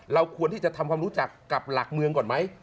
เราควรที่จะทำความรู้จักกับหลักเมืองก่อนไหม